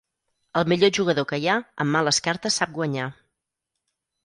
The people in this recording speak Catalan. El millor jugador que hi ha, amb males cartes sap guanyar.